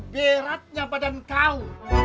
beratnya badan kau